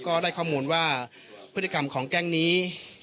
ก็ได้ข้อมูลว่าพฤติกรรมของแก๊งนี้